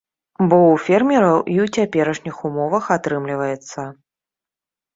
Бо ў фермераў і ў цяперашніх умовах атрымліваецца.